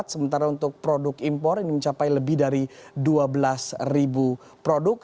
sementara untuk produk impor ini mencapai lebih dari dua belas ribu produk